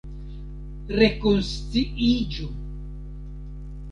Rekonsciiĝu!